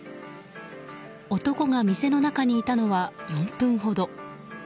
男が店の中にいたのは４分ほど。